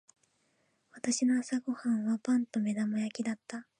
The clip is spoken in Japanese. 私の朝ご飯はパンと目玉焼きだった。